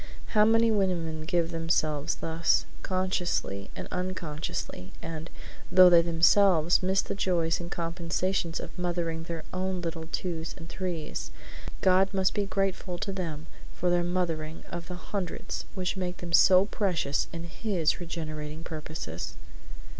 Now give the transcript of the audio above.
How many women give themselves thus, consciously and unconsciously; and, though they themselves miss the joys and compensations of mothering their own little twos and threes, God must be grateful to them for their mothering of the hundreds which make them so precious in His regenerating purposes.